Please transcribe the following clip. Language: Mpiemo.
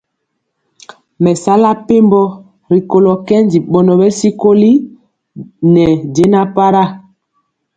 Me sala mɛpembo rikolo kɛndi bɔnɔ bɛ sikoli ne jɛna para,